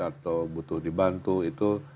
atau butuh dibantu itu